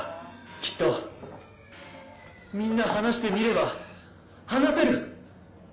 きっとみんな話してみれば話せる！